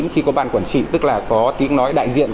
khi có ban quản trị tức là có tiếng nói đại diện